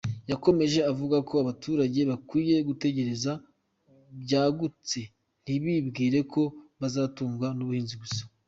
Yakomeja avuga ko abaturage bakwiye gutekereza byagutse ntibibwire ko bazatungwa n’ubuhinzi gusa.